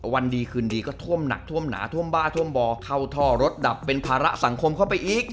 วันดีคืนดีก็ท่วมหนักท่วมหนาท่วมบ้าท่วมบ่อเข้าท่อรถดับเป็นภาระสังคมเข้าไปอีก